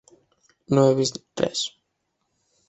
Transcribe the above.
No he vist res.